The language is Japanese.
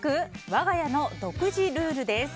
我が家の独自ルールです。